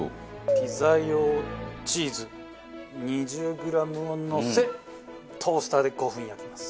ピザ用チーズ２０グラムをのせトースターで５分焼きます。